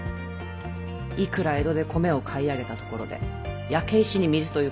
いくら江戸で米を買い上げたところで焼け石に水ということか。